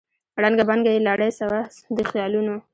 ړنګه بنګه یې لړۍ سوه د خیالونو